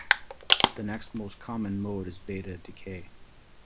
The next most common mode is beta decay.